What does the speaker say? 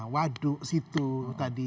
waduh situ tadi